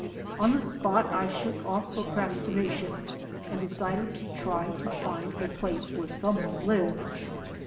On the spot I shook off procrastination and decided to try to find a place where someone lived.